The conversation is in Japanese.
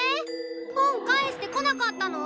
本返してこなかったの？